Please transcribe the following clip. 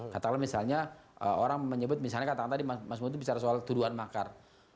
katakanlah misalnya orang menyebut misalnya katakan tadi mas mutu bicara soal tuduhan makar